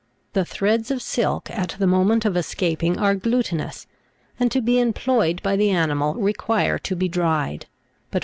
The threads of silk at the moment of escaping are glutinous, and to be employed by the animal, require to be dried, but when the temperature is favour 12.